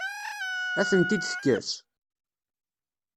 Ad ten-id-tekkes?